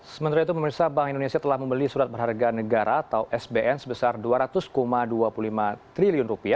sementara itu pemerintah bank indonesia telah membeli surat berharga negara atau sbn sebesar rp dua ratus dua puluh lima triliun